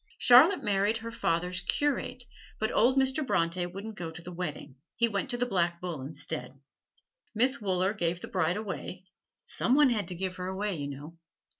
Charlotte married her father's curate, but old Mr. Bronte wouldn't go to the wedding: he went to the Black Bull instead. Miss Wooler gave the bride away some one had to give her away, you know.